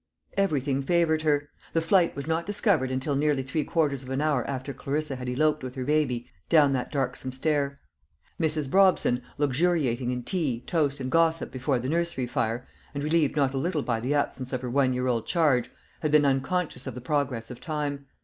Everything favoured her. The flight was not discovered until nearly three quarters of an hour after Clarissa had eloped with her baby down that darksome stair. Mrs. Brobson, luxuriating in tea, toast, and gossip before the nursery fire, and relieved not a little by the absence of her one year old charge, had been unconscious of the progress of time.